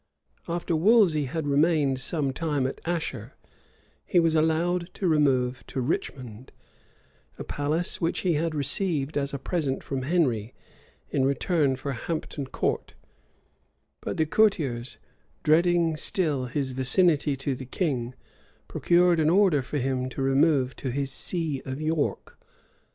After Wolsey had remained some time at Asher, he was allowed to remove to Richmond, a palace which he had received as a present from Henry, in return for Hampton Court; but the courtiers, dreading still his vicinity to the king, procured an order for him to remove to his see of York.